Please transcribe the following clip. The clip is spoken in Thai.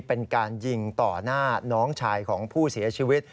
เป็นการยิงต่อหน้าน้องชายของผู้เสียชีวิต